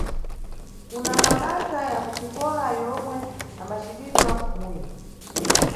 Kuna mabasa ya kuxikola yomwe yambacitidwa kumuyi.